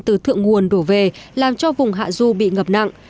từ thượng nguồn đổ về làm cho vùng hạ du bị ngập nặng